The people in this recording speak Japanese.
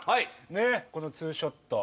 ねえこのツーショット。